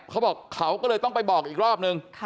เขาบอกเขาก็เลยต้องไปบอกอีกรอบนึง